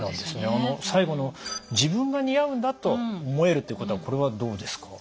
あの最後の「自分が似合うんだと思える」っていうことはこれはどうですか？